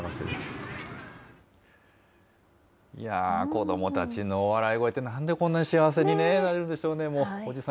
子どもたちの笑い声って、なんでこんなに幸せになれるんでしょうね。